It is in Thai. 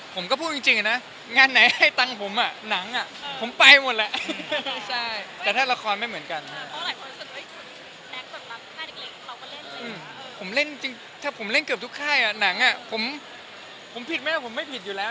ผมก็พูดจริงนะงานไหนให้การตังค์ผมหนังผมไปหมดและ